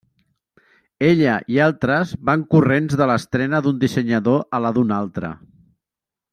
Ella i altres van corrents de l'estrena d'un dissenyador a la d'un altre.